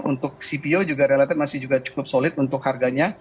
untuk cpo juga relatif masih juga cukup solid untuk harganya